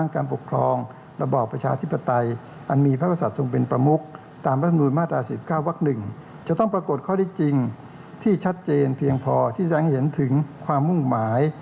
การแสดงเห็นถึงความมุ่งหมาย